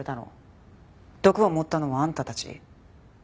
毒を盛ったのもあんたたち？